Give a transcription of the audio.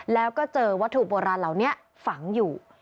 แล้วก็เจอวัตถุโบราณเหล่านี้ฝังอยู่